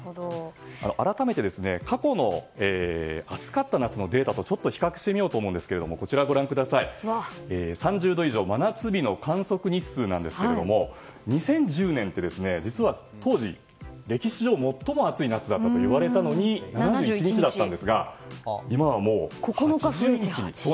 改めて過去の暑かった夏のデータと比較してみようと思うんですが３０度以上真夏日の観測日数なんですが２０１０年って当時、歴史上最も暑い夏だったといわれたのに７１日だったんですが今はもう８０日に。